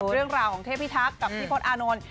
เรื่องราวของเทพิทักษ์กับพี่พศอานนท์